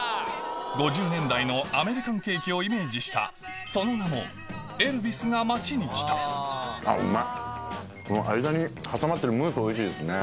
５０年代のアメリカンケーキをイメージしたその名も間に挟まってるムースおいしいですね。